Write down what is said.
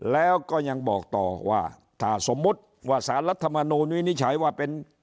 แล้วก็ยังบอกต่อว่าถ้าสมมุติว่าสารรัฐมนูลวินิจฉัยว่าเป็น